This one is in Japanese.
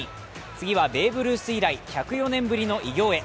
次はベーブ・ルース以来１０４年ぶりの偉業へ。